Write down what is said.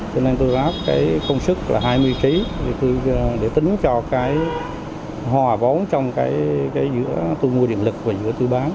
cho nên tôi lắp cái công sức là hai mươi triệu để tính cho cái hòa vốn trong cái giữa tôi mua điện lực và giữa tôi bán